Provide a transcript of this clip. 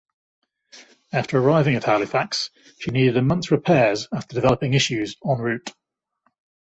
After arriving at Halifax she needed a months repairs after developing issues en route.